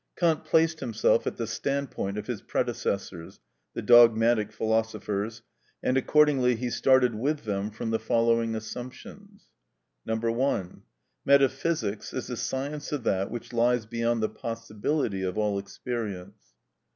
Kant placed himself at the standpoint of his predecessors, the dogmatic philosophers, and accordingly he started with them from the following assumptions:—(1.) Metaphysics is the science of that which lies beyond the possibility of all experience.